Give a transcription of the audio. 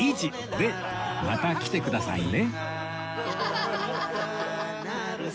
でまた来てくださいね